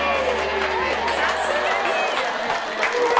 さすがに。